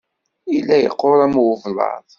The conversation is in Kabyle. Yella yeqqur am ublaḍ.